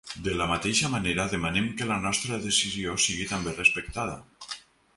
De la mateixa manera demanem que la nostra decisió sigui també respectada.